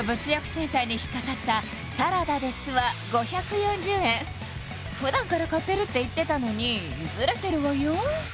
センサーに引っかかったサラダで酢は５４０円普段から買ってるって言ってたのにズレてるわよ